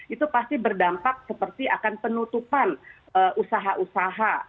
itu pasti berdampak seperti akan penutupan usaha usaha